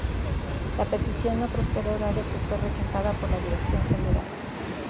La petición no prosperó dado que fue rechazada por la Dirección Gral.